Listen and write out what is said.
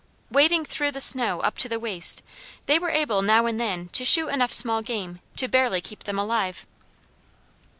Wading through the snow up to the waist, they were able now and then to shoot enough small game to barely keep them alive.